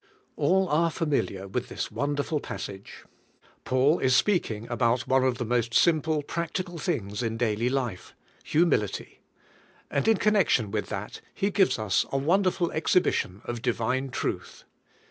'' ALL are familiar with this wonderful passage. Paul is speaking about one of the most simple, practical things in daily life, — humility; and in connection with that, he gives us a wonderful ex hibition of divine truth.